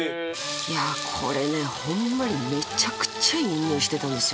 いやこれねホンマにめちゃくちゃいい匂いしてたんですよ